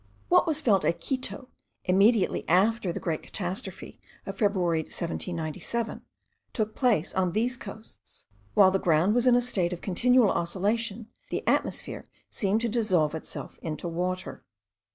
What was felt at Quito, immediately after the great catastrophe of February 1797, took place on these coasts. While the ground was in a state of continual oscillation, the atmosphere seemed to dissolve itself into water.